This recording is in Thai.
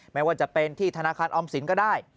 ไม่ว่าจะเป็นที่ธนาคารออมสินก็ได้